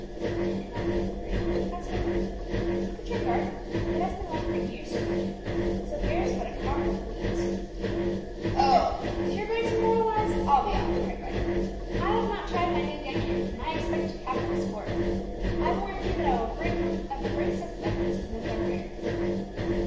"Can it not be improved?" asked Emmie. "Look at your garden, it has been left for years to nature, so bears but a crop of weeds." "Oh, if you are going to moralize, I'll be off!" cried Vibert. "I have not tried my new gun yet, and I expect capital sport. I warrant you that I will bring home a brace of pheasants to mend our fare!"